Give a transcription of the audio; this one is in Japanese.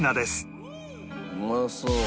うまそう。